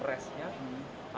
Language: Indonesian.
bukan dulu pabak panjang lagi